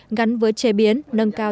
ngắn với chế biến nâng cao